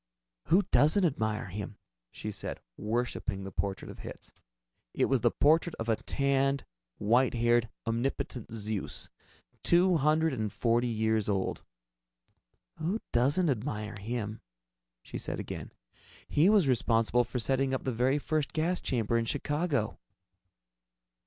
"Who doesn't admire him?" she said, worshiping the portrait of Hitz. It was the portrait of a tanned, white haired, omnipotent Zeus, two hundred and forty years old. "Who doesn't admire him?" she said again. "He was responsible for setting up the very first gas chamber in Chicago."